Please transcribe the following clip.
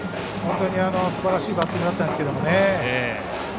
本当にすばらしいバッティングだったんですけど。